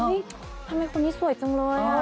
เฮ้ยทำไมคนนี้สวยจังเลยอ่ะ